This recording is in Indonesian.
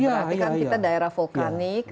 tapi kan kita daerah vulkanik